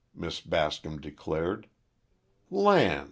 Miss Bascom declared. "Land!